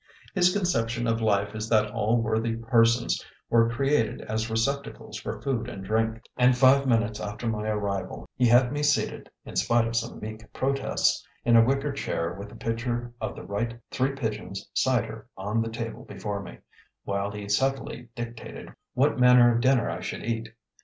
His conception of life is that all worthy persons were created as receptacles for food and drink; and five minutes after my arrival he had me seated (in spite of some meek protests) in a wicker chair with a pitcher of the right Three Pigeons cider on the table before me, while he subtly dictated what manner of dinner I should eat.